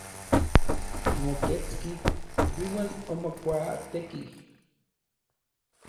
Omoketski iuan omokuaatekij.